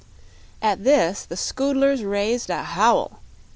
At this the Scoodlers raised a howl.